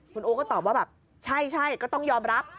คุณอู๋ก็ตอบว่าแบบใช่ก็ต้องยอมรับ